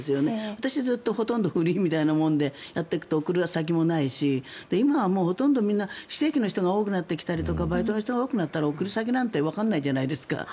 私、ずっとほとんどフリーみたいなもので贈る先もないし今はもうほとんど非正規の人が多くなってきたりとかバイトの人が多くなったら贈り先なんてわからないじゃないですか。